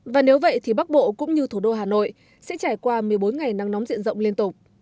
và nếu vậy thì bắc bộ cũng như thủ đô hà nội sẽ trải qua một mươi bốn ngày nắng nóng diện rộng liên tục